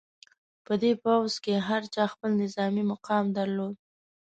په دې پوځ کې هر چا خپل نظامي مقام درلود.